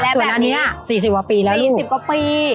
ส่วนอันนี้อะ๔๐ปีแล้วลูก๔๐ก็ปี